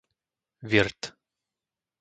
Virt